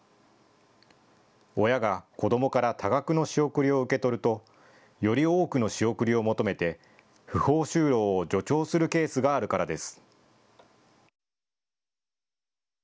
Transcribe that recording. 親が子どもから多額の仕送りを受け取るとより多くの仕送りを求めて不法就労を助長するケースがあるからです。